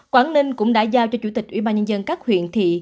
quảng ninh cũng đã giao cho chủ tịch ủy ban nhân dân các huyện thị